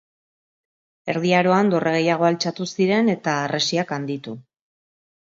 Erdi Aroan dorre gehiago altxatu ziren eta harresiak handitu.